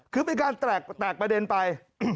คือเป็นการแตกประเด็นไป